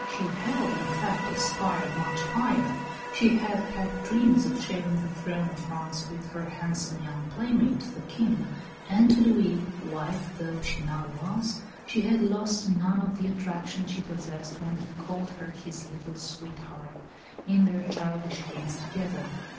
She had, in fact, aspired much higher; she had had dreams of sharing the throne of France with her handsome young playmate, the King; and to Louis, wife though she now was, she had lost none of the attraction she possessed when he called her his "little sweetheart" in their childish games together.